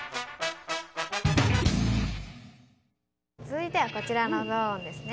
続いてはこちらのゾーンですね。